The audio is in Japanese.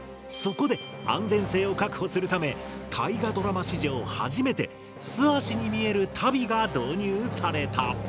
そこで安全性を確保するため大河ドラマ史上初めて素足に見える足袋が導入された。